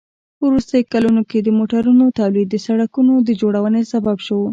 په وروستیو کلونو کې د موټرونو تولید د سړکونو د جوړونې سبب شو.